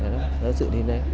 đó là sự thiên đề